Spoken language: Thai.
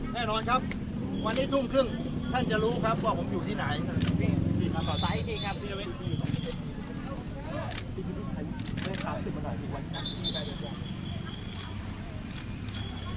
แน่นอนครับวันนี้ทุ่มครึ่งท่านจะรู้ครับว่าผมอยู่ที่ไหน